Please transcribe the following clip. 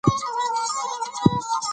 دا ځایونه د کورنیو د دودونو مهم عنصر دی.